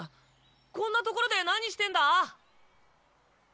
こんな所で何してんだ？